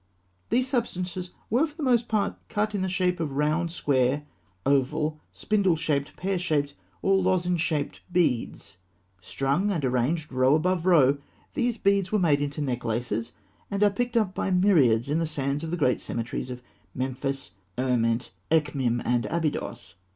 These substances were for the most part cut in the shape of round, square, oval, spindle shaped, pear shaped, or lozenge shaped beads. Strung and arranged row above row, these beads were made into necklaces, and are picked up by myriads in the sands of the great cemeteries at Memphis, Erment, Ekhmîm, and Abydos.